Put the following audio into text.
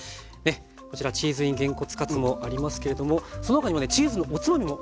こちらチーズｉｎげんこつカツもありますけれどもその他にもねチーズのおつまみも。